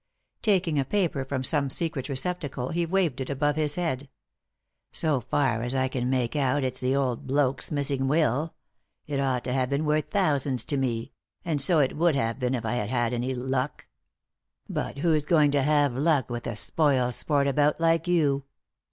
Taking a paper from some secret receptacle he waved it above his head. " So rkr as I can make out it's the old bloke's missing will — it ought to have been worth thousands to me ; and so it would have been if I had had any luck. But who'i going to have luck with a spoil sport about like you